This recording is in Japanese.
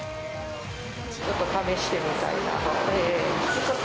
ちょっと試してみたいなぁと。